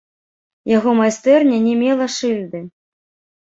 Яго майстэрня не мела шыльды.